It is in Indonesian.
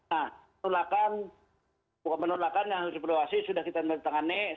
menolakan bukan menolakan yang harus di epoluasi sudah kita menentangannya